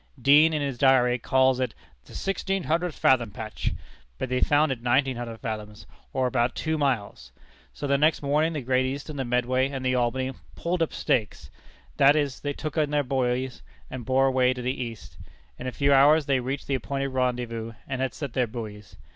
Deane, in his Diary, calls it "the sixteen hundred fathom patch," but they found it nineteen hundred fathoms, or about two miles! So the next morning the Great Eastern, the Medway, and the Albany "pulled up stakes," that is, took in their buoys, and bore away to the east. In a few hours they reached the appointed rendezvous, and had set their buoys.